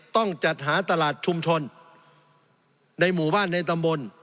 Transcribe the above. ต้องจัดหาตลาดชุมชนในหมู่บ้านในตำบล